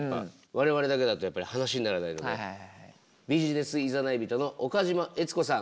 我々だけだとやっぱり話にならないのでビジネスいざない人の岡島悦子さん